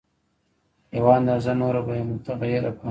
یوه اندازه نوره به یې متغیره پانګه وي